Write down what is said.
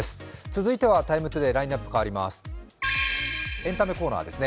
続いては「ＴＩＭＥ，ＴＯＤＡＹ」ラインナップが変わります。